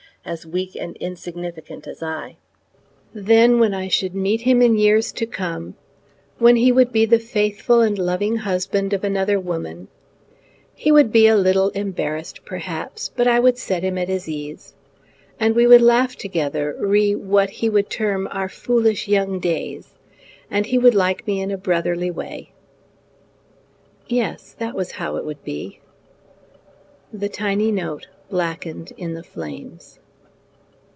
as weak and insignificant as I. Then when I should meet him in the years to come, when he would be the faithful and loving husband of another woman, he would be a little embarrassed perhaps; but I would set him at his case, and we would laugh together re what he would term our foolish young days, and he would like me in a brotherly way. Yes, that was how it would be. The tiny note blackened in the flames.